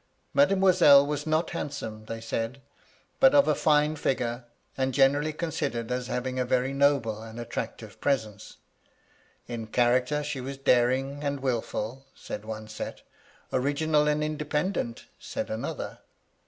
Made moiselle was not handsome, they said ; but of a fine figure, and generally considered as having a very noble and attractive presence. In character she was daring and wilful (said one set) ; original and inde pendent (said another).